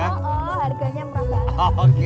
harganya murah banget